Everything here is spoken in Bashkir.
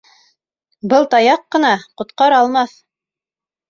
Был таяҡ ҡына ҡотҡара алмаҫ.